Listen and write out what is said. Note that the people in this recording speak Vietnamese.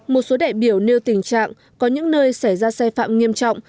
một số đại biểu nêu tình trạng có những nơi xảy ra sai phạm nghiêm trọng